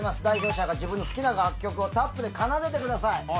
代表者が自分の好きな楽曲をタップで奏でてください。